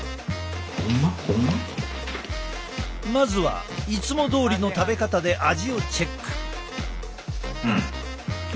まずはいつもどおりの食べ方で味をチェック。